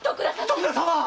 徳田様！